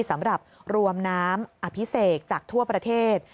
สำหรับรวมน้ำอภิเษกจากทั่วประเทศ